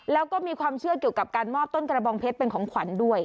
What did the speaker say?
แล้วก็มีความเชื่อเกี่ยวกับการมอบต้นกระบองเพชรเป็นของขวัญด้วย